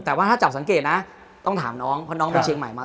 แต่ว่าถ้าจับสังเกตนะต้องถามน้องเพราะน้องไปเชียงใหม่มา